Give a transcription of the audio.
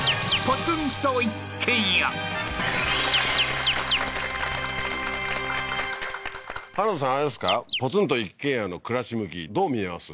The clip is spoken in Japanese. ポツンと一軒家の暮らし向きどう見えます？